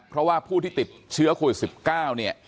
เพราะว่าผู้ที่ติดเชื้อโควิด๑๙เนี่ย